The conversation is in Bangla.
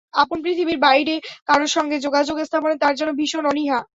আপন পৃথিবীর বাইরে কারও সঙ্গে যোগাযোগ স্থাপনে তাঁর যেন ভীষণ অনীহা।